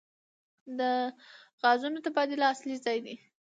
د غازونو تبادله اصلي ځای دی.